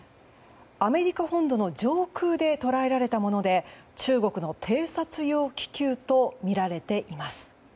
アメリカ本土の上空で捉えられたもので中国の偵察用気球とみられています。